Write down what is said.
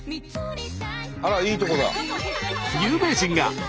あらいいとこだ。